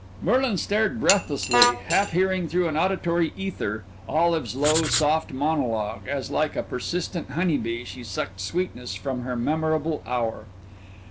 Merlin stared breathlessly, half hearing through an auditory ether Olive's low, soft monologue, as like a persistent honey bee she sucked sweetness from her memorable hour.